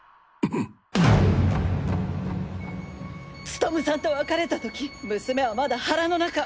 務武さんと別れた時娘はまだ腹の中！